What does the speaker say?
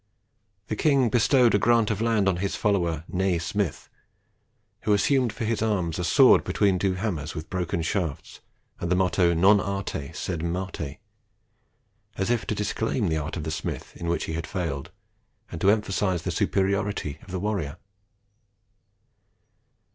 The king bestowed a grant of land on his follower "Nae Smyth," who assumed for his arms a sword between two hammers with broken shafts, and the motto "Non arte sed Marte," as if to disclaim the art of the Smith, in which he had failed, and to emphasize the superiority of the warrior.